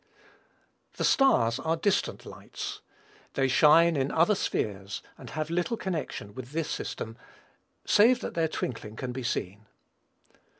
The stars are distant lights. They shine in other spheres, and have little connection with this system, save that their twinkling can be seen.